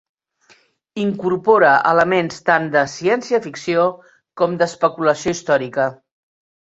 Incorpora elements tant de ciència-ficció com d'especulació històrica.